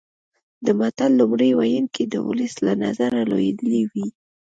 د متل لومړی ویونکی د ولس له نظره لویدلی وي